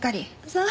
そう。